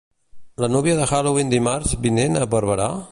La núvia de Halloween dimarts vinent a Barberà?